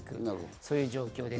そういう状況です。